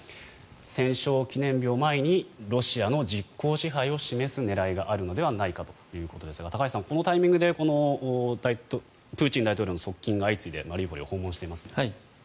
戦勝記念日を前にロシアの実効支配を示す狙いがあるのではないかということですが高橋さん、このタイミングでプーチン大統領の側近が相次いでマリウポリを訪問していますが。